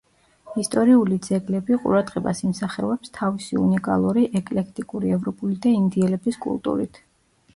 ისტორიული ძეგლები ყურადღებას იმსახურებს თავისი უნიკალური ეკლექტიკური ევროპული და ინდიელების კულტურით.